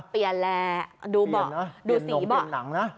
เปลี่ยนแหละดูสีเบาะ